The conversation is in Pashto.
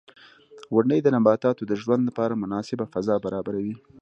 • غونډۍ د نباتاتو د ژوند لپاره مناسبه فضا برابروي.